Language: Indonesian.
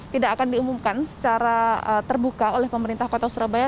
tidak akan diumumkan secara terbuka oleh pemerintah kota surabaya